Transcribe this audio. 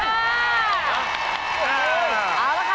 และราคาอยู่ที่